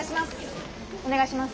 お願いします。